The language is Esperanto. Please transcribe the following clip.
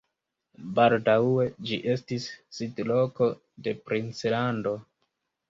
Baldaŭe ĝi estis sidloko de princlando.